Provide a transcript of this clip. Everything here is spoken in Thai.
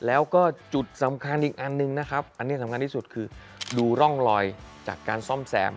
แล้วก็จุดสำคัญอีกอันหนึ่งนะครับอันนี้สำคัญที่สุดคือดูร่องรอยจากการซ่อมแซม